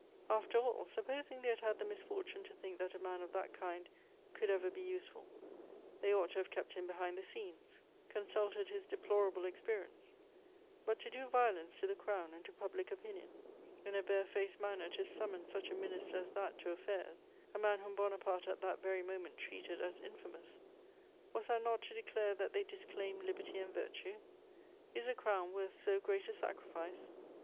After all, supposing they had had the misfortune to think that a man of that kind could ever be useful: they ought to have kept him behind the scenes, consulted his deplorable experience; but to do violence to the Crown and to public opinion, in a barefaced manner to summon such a minister as that to affairs, a man whom Bonaparte, at that very moment, treated as infamous: was that not to declare that they disclaimed liberty and virtue? Is a crown worth so great a sacrifice?